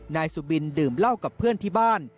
นายสุบินดื่มเหล้ากับเพื่อนที่บ้าน